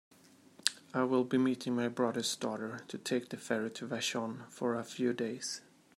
I will be meeting my brother's daughter to take the ferry to Vashon for a few days.